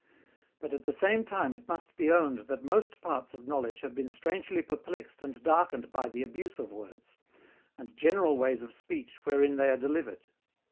But at the same time it must be owned that most parts of knowledge have been strangely perplexed and darkened by the abuse of words, and general ways of speech wherein they are delivered.